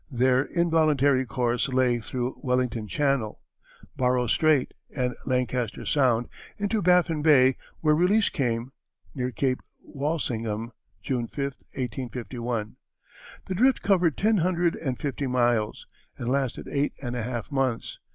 Their involuntary course lay through Wellington Channel, Barrow Strait, and Lancaster Sound into Baffin Bay, where release came, near Cape Walsingham, June 5, 1851. The drift covered ten hundred and fifty miles and lasted eight and a half months.